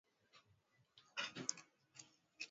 serikali itaanzisha minada ya dhamana za mitaji